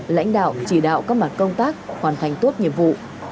lãnh đạo chỉ đạo các mặt công tác hoàn thành tốt nhiệm vụ